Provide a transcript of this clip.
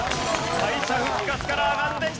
敗者復活から上がってきた！